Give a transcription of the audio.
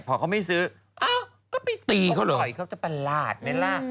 พอเขาไม่ซื้ออะเขาไปตีเขาหรอเขาจะเป็นลาดแน่นร่ะ